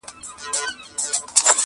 یو گوزار يې ورته ورکړ ناگهانه؛